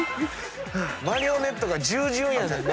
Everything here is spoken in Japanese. マリオネットが従順やねんな。